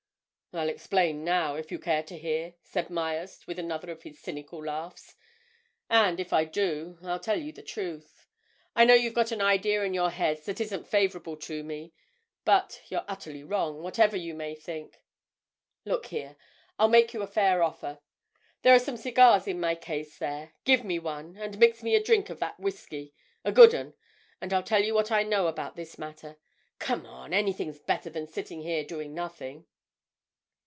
"I'll explain now, if you care to hear," said Myerst with another of his cynical laughs. "And if I do, I'll tell you the truth. I know you've got an idea in your heads that isn't favourable to me, but you're utterly wrong, whatever you may think. Look here!—I'll make you a fair offer. There are some cigars in my case there—give me one, and mix me a drink of that whisky—a good 'un—and I'll tell you what I know about this matter. Come on!—anything's better than sitting here doing nothing."